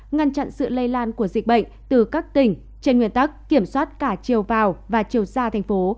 ngăn chặn sự lây lan của dịch bệnh từ các tỉnh trên nguyên tắc kiểm soát cả chiều vào và chiều xa thành phố